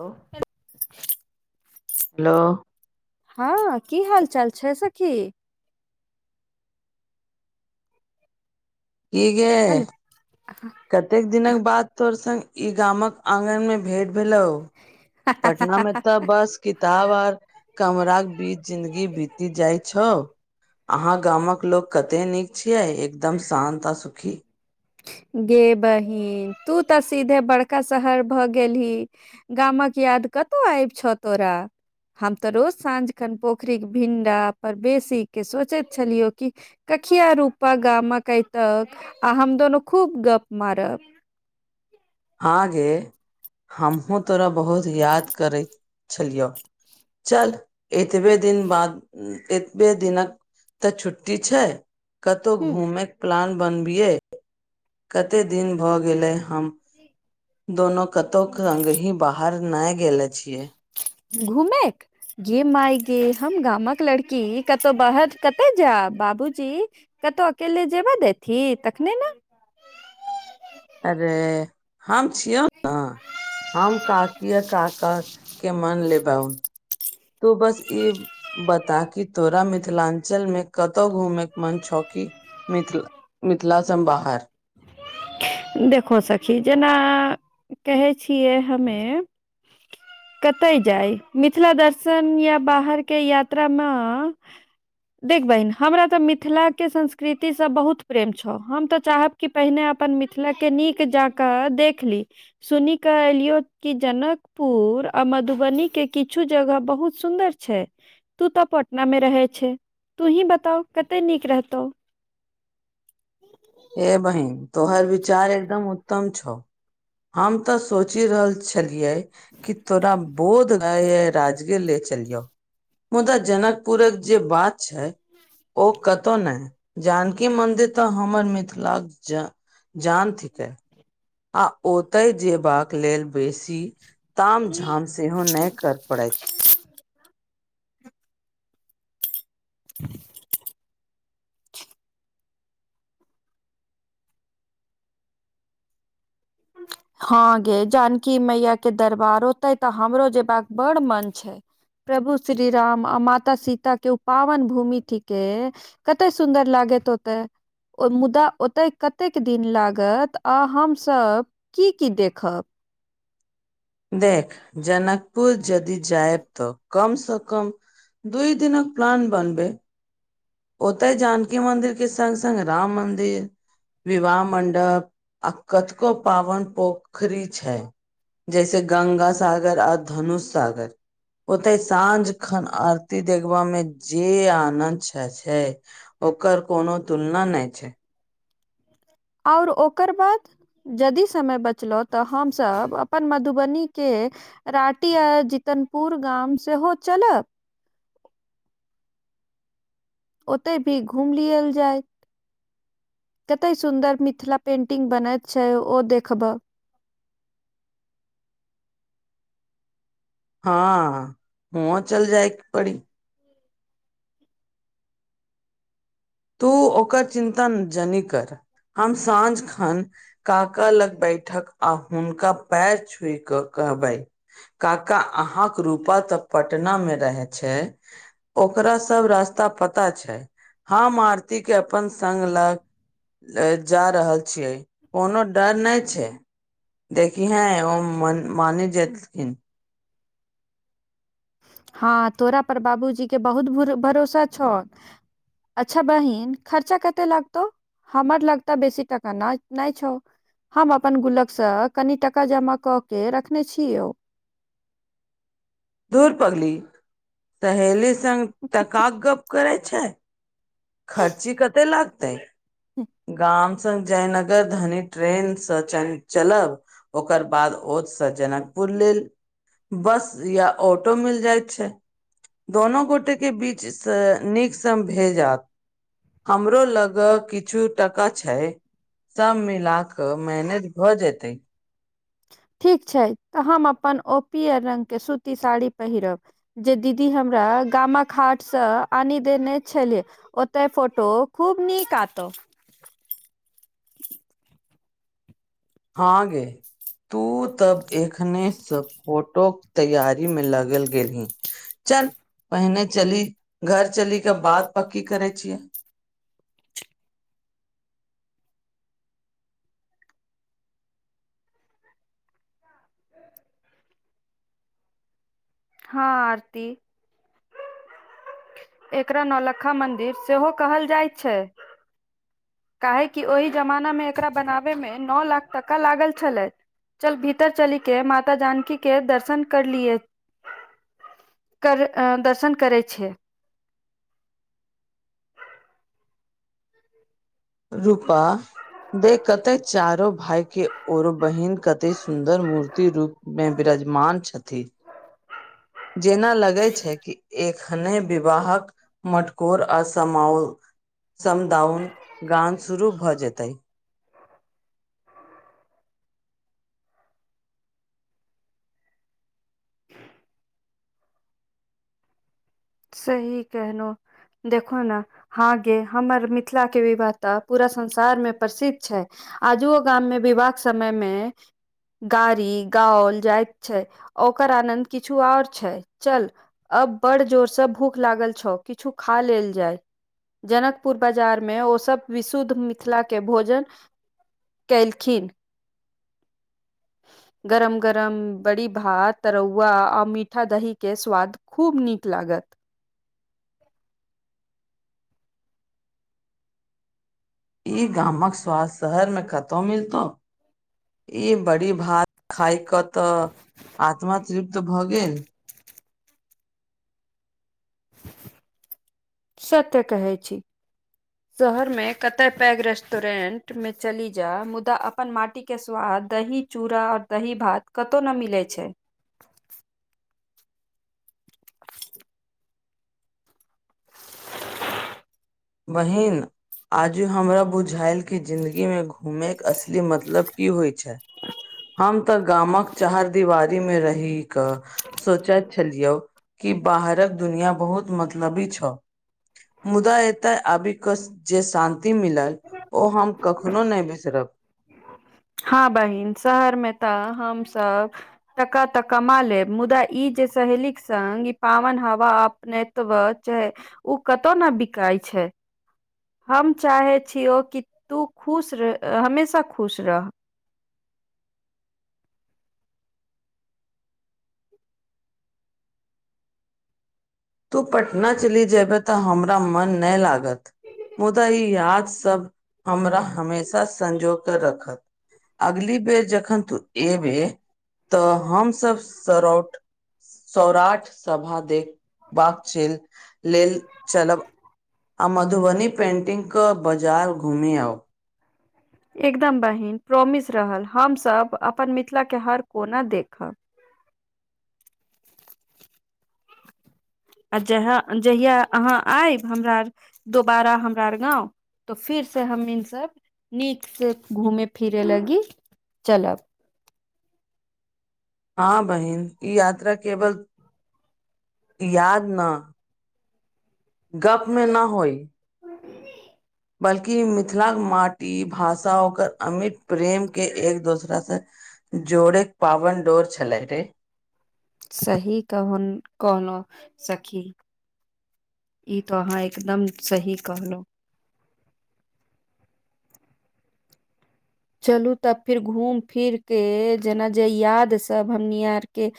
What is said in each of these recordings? Hello. हँ कि हाल चाल छै सखी कि गे आ कतेक दिनक बाद तोहर संघ ई गामक आगनमे भेट भेलौ पटना मे तऽ बस। किताब आर कमराक बीच जिन्दगी बीति जाइ छौ अहाँ गाम कऽ लोक कते नीक छियै एकदम शान्त आ सुखी गे बहिन तू तऽ सीधे बड़का शहर भऽ गेलही गाम कऽ याद कतहु आबि छौ तोरा हम त रोज साँझ कन पोखरिके भिण्डापर बेसीके सोचैत छलियौ कि कखिया रूपा गामा कऽ तक आ हम दोनोू खूब गप मारब आगे हमहूँ तोरा बहुत याद करैत छलियौ चल एतबे दिन बाद एतबे दिनक। तऽ छुट्टी छै। कतहु हूं घूमे के प्लान बनबियै कते दिन भऽ गेलै हम दोनो कतौ अग ही बाहर न गेले छिये घुमे। गे माय गे हम गाम कऽ लड़की कतहु बाहर कतय जायब बाबूजी कतहु अकेले जेबे देथि तखने ने। अरे हम छियौ ने हम काकिया काकाके मन लेबौ तू बस इ बता की तोरा मिथिलाञ्चल मे कतौ घूमेके मन छौकी मिथिला मिथिलासँ बाहर। देखो सखी जेना कहै छियै हमे। कतय जाय मिथिला दर्शन या बाहरके यात्रा मे देख बहिन हमरा तऽ मिथिला के संस्कृतिसँ बहुत प्रेम छौ हम तऽ चाहब कि पहिने अपन मिथिलाके नीक जाकऽ देख लि सुन क एलियो क जनकपुर आ मधुबनी के किछु जगह बहुत सुन्दर छै तू त पटना मे रहे छै तू ही बताउ कते नीक रहतौ हे बहिन तोहर विचार एकदम उत्तम छौ। हम तऽ सोचि रहल छलियै। कि तोरा बोध ग राजजगिर ले चलि जाौ मुदा जनकपुरक जे बात। ओ कतौ नहि जानकी मन्दिर तऽ हमर म [unintelligible] ला जान थिकै आ ओतय जेयबाक लेल बेसी ताम झाम सेहो नहि कर पड़त [unintelligible] [inaudible] हँ गे जानकी मैया के दरबार ते तऽ हमरो जेबाका बड़ मन छै प्रभु श्री राम आ माता सीता के ओ पावन भूमि थिके कतय सुन्दर लागैत होतै ओ मुदा ओतय कतेक दिन लागत आ हमसभ की की देखब देख जनकपुर जदि जायब तऽ कमसँ कम दूइ दिन प्लान बनब ओतेह जानकी मन्दिर के संग संग राम मन्दिर विवाह मं्डप आ कथको पावन पोखरी छै जैसे गंगा साागर आ धनुषसागर होतै साँझ एखन आरती देखबा में जे आनन्द छै छै ओकर कोनो तुलना नहि छै आओर ओकर बाद यदि समय बचलहु तऽ हमसभ अपन मधुबनीके राटी आ जितनपुर गाम सेहो चलब ओते भी घूम लियल जाय कते सुन्दर मिथिला पेंटिंग बनैत छै ओ देखबह हँ हुओ चल जाय पड़ी तू ओकर चिन्तान जनी नेकर हम साँझ खन काका लग बैठक आ हुनका पैर छुई कऽ कहबै काका अहाँ कऽ रूपा तऽ पटना में रहे छै ओकरा सब रास्ता पता छै हम आरती कऽ अपन सङगलक जा रहल छियै कोनो डर नहि छै देखियेहेन ओ म मानि जेतखिन हँ तोरा पर बाबूजी कऽ बहुत भरोसा छौ अच्छा बहिन खर्चा कते लागतौ हमर लगताे बेसी टाका न नहि छौ हम अपन गुलक सऽ कनि टका जमा कऽ कऽ रखने छीयौ धूर पगली सहेली सग तक गप करै छै खर्ची कते लागतै [unintelligible] गाम सऽ जयनगर धनी ट्रेनसँ चलब ओकर बाद ओतसँ जनकपुर लेल बस या ऑटो मिल जाय छै दोनो गोटेके बीचसँ नीकसँ भेजत हमरो लग किछु टका छै सब मिलााक मैनेज भऽ जेते ठीक छै तऽ हम अपन ओ पीअर रंग कऽ सूती साड़ी पहिरब जे दीदी हमरा गामा हाटसँ आनी देने छलियै ओतऽ फोटो खूब नीक एत हाँ गे तू तब एखने से फोटो केँ तैयारी में लगल गेलही चल पहिने चली घर चली क बात पक्की करे छियै [inaudible] हँ आरती [inaudible] एकरा नौलखा मंन्दिर सेहो कहल जाइ छै काहेकि ओहि जमानामे एकरा बनाबेमे नओ लाख टका लागल छलै चल भीतर चली केँ माता जानकी के दर्शन कर लियए कर दर्शन करै छै रूपा दे कते चारो भाय केँ औरो बहिन कते सुंदर मूर्ति रूप मे विराजमान छथि [inaudible] जेना लगे छै कि एक खने विवाहक मटकोर आ समो [inaudible] समदाउन गान शुरू भए जेते सही कहनोहु देखु ना हँ गे हमर मिथिला के विवाहता पूरा संसार मे प्रसिद्ध छै आजु ओ गाम मे विवाह समय मे गाड़ी गावल जाइत छै ओकर आनन्द किछु और छै चल अब बड़ जोरसँ भूख लागल छौ किछु खा लेल जाय जनकपुर बाजार में ओ सब विशुद्ध मिथिला केँ भोजन केलखिन [inaudible] गरम गरम बड़ी भात तरुआ आर मीठा दही केँ स्वाद खूब नीक लागत इ गामक स्वाद शहरमे कतौ मिलतौ ई बड़ी भात खाय केँ तऽ आत्मा तृप्त भऽ गेल [inaudible] सत्य कहै छी शहरमे कतय पैग रेस्टोरेन्टमे चली जा मुदा अप अपन माटिके स्वाद दही चूड़ा और दही भात कतौ नहि मिलै छै बहिन आजु हमरा बुझायल कि जिन्दगीमे घूमें केँ असली मतलब की होइ छै हम तऽ गामक चरदिवारीमे रहि कऽ सोचैत छलियै कि बाहरक दुनिया बहुत मतलबी छ [inaudible] मुदा तऽ अबी के जे शान्ति मिलल ओ हम कखनो नहि बिसरब हँ बहिन शहरमे तऽ हम सब टाका तऽ कमा लेब मुदा ई जे सहेलीक संग ई पावन हवा अप [unintelligible] ओ कतौ ने बिकाय छै हम चाहे छियौ कि तू खुश रह हमेशा खुश रह तू पटना चलि जेयबह तऽ हमरा मन नहि लागत मुदा ई याद सब हमरा हमेशा संजो केँ रखत अगली बेर जखन तू एबे तऽ हमस सरउट सौराठ सभा देखबाक च लेल चलब आ मधुबनी पेन्टिंग केँ बाजार घुमि आउ एकदम बहिन प्रोमिस रहल हमसभ अपन मिथिला केँ हर कोना देखब आ जहाँ जहिया अहाँ आईब हमरा दोबारा हमरा आर गाँव तऽ फिर से हम इनसब नीक से घूमे फिरे लगी चलब हँ बहिन ई यात्रा केवल याद न गप मे ना होइ बल्कि मिथिलाक के माटी भाषा ओकर अमिट प्रेम के एक दोसरा से जोड़ैक पावन डोर छलै रे सही कहन कहलहु सखी ई तऽ अहाँ एकदम सही कहलौं चलू तब फिर घूमि फिरके जेना जे याद सब हमनी आरके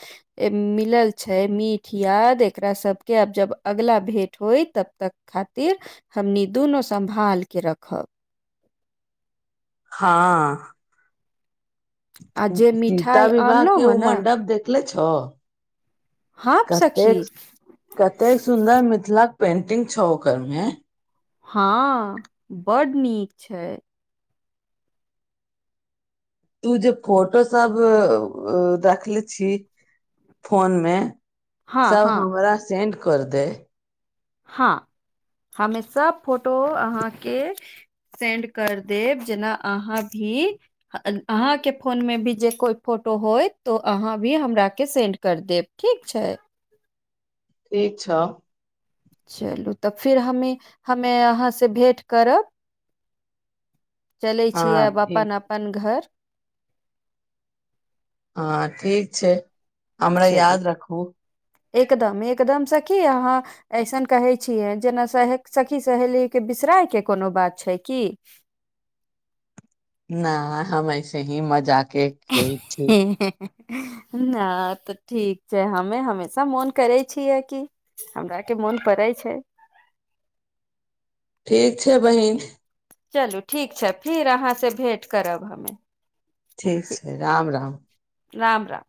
मिलल छै मीठ याद एकरा सबके आब जब अगिल भेट होइ तब तक खातिर हमनी दुनू सम्भाल केऽ रखब हँ आ जे सीता मिठाई विवाह आनलो के ह ओ न मंडब देख लै छौ हाँप सखी कतेक कतेक सुन्दर मिथिलाक पेंटिंग छौ ओकरमे हँ बड़ नीक छै तू जे फोटो सब रखले छी फोन मे हाँ सब हाँ हमरा सेंड कर दे हँ हमे सब फोटो अहाँके सेंड कर देब जेना आहाँ भी अहाँके फोनमे भि जेऽ कोय फोटो होयतऽ त ओ आहाँ भी हमराके सेंड करि देब ठीक छै ठीक छ चलू तऽ फिर हमे हमे आहाँसँ भेँट करब चलै छियै अब हँ ठीक अपन अपन घर हँ ठीक छै हमरा चलू याद रखू एकदम एकदम सखी अहाँ ऐसन कहै छियै जेना सह सखी सहेलीके बिसरायके कोनो बात छै कि न हम ऐसे हीं मजाक [unintelligible] न तऽ ठीक छै हमें हमेशा मोन करै छियै कि हमरा के मोन पड़ै छै ठीक छै बहिन चलू ठीक छै फिर अहाँसँ भेँट करब हमे ठीक छै राम राम राम राम